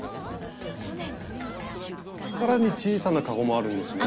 更に小さな籠もあるんですね。